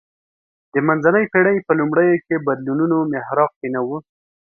د منځنۍ پېړۍ په لومړیو کې بدلونونو محراق کې نه و